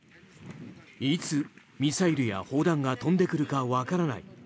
いつミサイルや砲弾が飛んでくるか分からない